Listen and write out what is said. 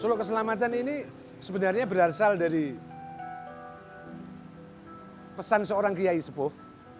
solo keselamatan ini sebenarnya berasal dari pesan seorang kiai sepuh